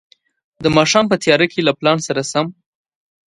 د ماښام په تياره کې له پلان سره سم.